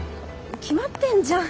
決まってんじゃん。